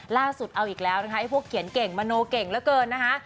ล่าสุดเอาอีกแล้วนะคะไอ้พวกเขียนเก่งมโนเก่งเหลือเกินนะคะ